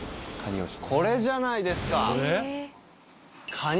これじゃないですか。